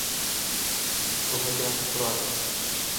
koʼhlikkina qiz turar edi.